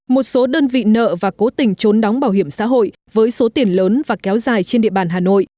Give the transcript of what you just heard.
một số đơn vị nợ và cố tình trốn đóng bảo hiểm xã hội với số tiền lớn và kéo dài trên địa bàn hà nội